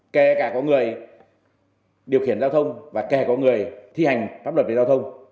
kể cả có người điều khiển giao thông và kẻ có người thi hành pháp luật về giao thông